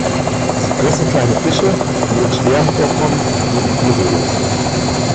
Sie fressen kleine Fische, die in Schwärmen vorkommen, sowie Wirbellose.